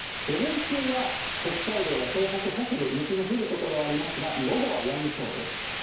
午前中は北海道や東北北部、雪の降る所ありますが、午後はやみそうです。